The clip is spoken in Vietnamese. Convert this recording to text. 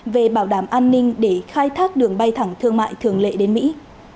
về bảo đảm an ninh để khai thác đường bay thẳng thương mại thường lệ đến mỹ